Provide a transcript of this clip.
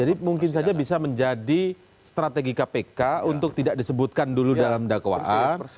jadi mungkin saja bisa menjadi strategi kpk untuk tidak disebutkan dulu dalam dakwaan